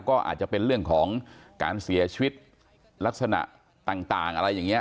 ก็อาจจะเป็นเรื่องของการเสียชีวิตลักษณะต่างอะไรอย่างนี้